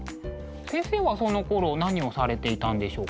先生はそのころ何をされていたんでしょうか？